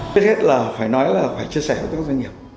thứ nhất là phải nói là phải chia sẻ với các doanh nghiệp